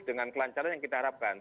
dengan kelancaran yang kita harapkan